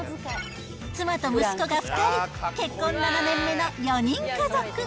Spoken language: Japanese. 妻と息子が２人、結婚７年目の４人家族。